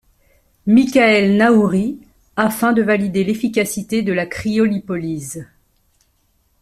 Mickaël Naouri, afin de valider l’efficacité de la cryolipolyse.